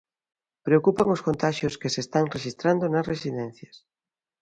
Preocupan os contaxios que se están rexistrando nas residencias.